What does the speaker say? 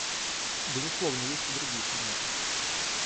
Безусловно, есть и другие примеры.